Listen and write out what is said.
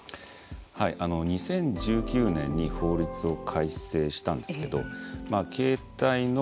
２０１９年に法律を改正したんですけど